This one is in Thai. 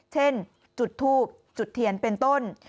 เช่นจุดทูบจุดเทียนเป็นต้น